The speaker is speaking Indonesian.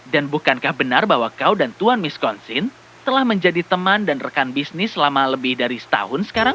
dan bukankah benar bahwa kau dan tuan miskonsin telah menjadi teman dan rekan bisnis selama lebih dari setahun sekarang